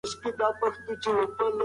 هغه ډيره په زړه پورې لوبه کوي.